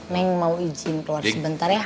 meng mau izin keluar sebentar ya